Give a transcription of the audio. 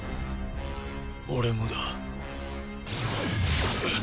俺もだ。